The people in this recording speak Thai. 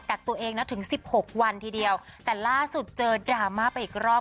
กักตัวเองนะถึงสิบหกวันทีเดียวแต่ล่าสุดเจอดราม่าไปอีกรอบ